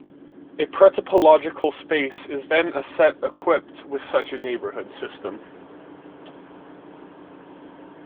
A pretopological space is then a set equipped with such a neighborhood system.